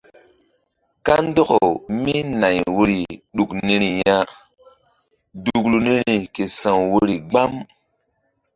Kandɔkawmínay woyri ɗuk niri ya duklu niri ke sa̧w woyri gbam.